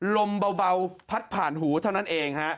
ลมเบาพัดผ่านหูเท่านั้นเองฮะ